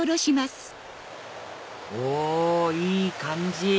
おいい感じ！